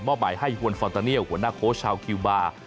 หมายให้ฮวนฟอนตาเนียลหัวหน้าโค้ชชาวคิวบาร์